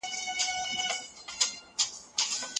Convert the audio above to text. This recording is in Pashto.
هغه د انگلیسي سرتیرو پر وړاندې مقاومت وکړ